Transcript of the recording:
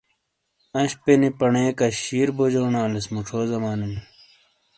۔انشپے نی پنے کاشیر بوجونالیس موچھو زمانے نی۔